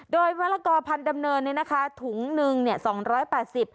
โดยมะละกอพันธุ์ดำเนินนี้นะคะถุงหนึ่งเนี่ย๒๘๐บาท